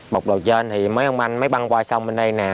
bọc đầu trên thì mấy ông anh mới băng qua sông bên đây nè